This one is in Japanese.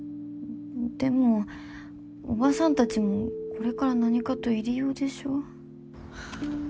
でも叔母さんたちもこれから何かと入り用でしょ？ハァ。